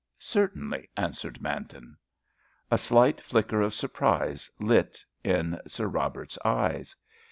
"Certainly," answered Manton. A slight flicker of surprise lit in Sir Robert's eyes.